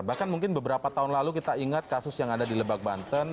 bahkan mungkin beberapa tahun lalu kita ingat kasus yang ada di lebak banten